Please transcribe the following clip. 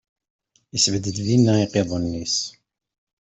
Isbedd dinna iqiḍunen-is.